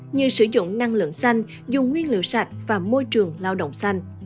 như sử dụng năng lượng xanh dùng nguyên liệu sạch và môi trường lao động xanh